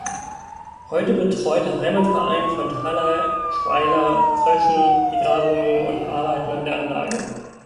Heute betreut der Heimatverein von Thaleischweiler-Fröschen die Grabungen und Arbeiten an der Anlage.